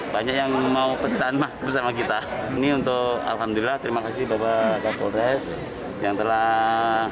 banyak yang mau pesan masker sama kita ini untuk alhamdulillah terima kasih bapak kapolres yang telah